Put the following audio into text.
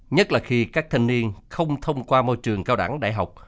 nhất là khi các thanh niên không thông qua môi trường cao đẳng đại học